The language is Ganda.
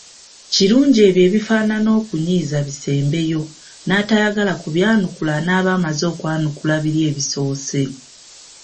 Kirungi ebyo ebifaanana okunyiiza bisembeyo, n’atayagala kubyanukula anaaba amaze okwanukula biri ebyasoose.